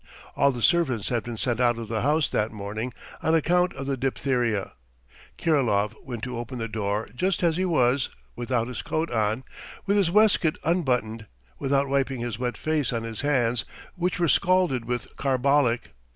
All the servants had been sent out of the house that morning on account of the diphtheria. Kirilov went to open the door just as he was, without his coat on, with his waistcoat unbuttoned, without wiping his wet face or his hands which were scalded with carbolic.